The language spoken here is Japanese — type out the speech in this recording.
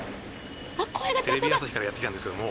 テレビ朝日からやって来たんですけれども。